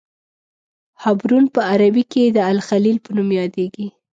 حبرون په عربي کې د الخلیل په نوم یادیږي.